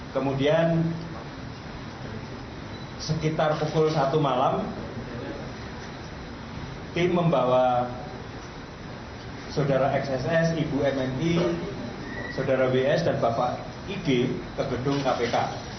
kemudian sekitar pukul satu malam tim membawa saudara xss ibu mmi saudara ws dan bapak ig ke gedung kpk